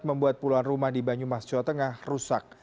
membuat puluhan rumah di banyumas jawa tengah rusak